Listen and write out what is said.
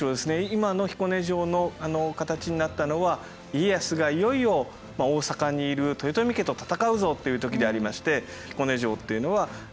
今の彦根城のあの形になったのは家康がいよいよ大坂にいる豊臣家と戦うぞという時でありまして。